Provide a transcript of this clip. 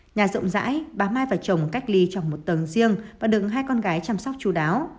nhà rộng rãi bà mai và chồng cách ly trong một tầng riêng và đừng hai con gái chăm sóc chú đáo